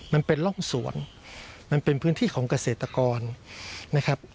มันเป็นร่องสวนมันเป็นพื้นที่ของเกษตรกรนะครับ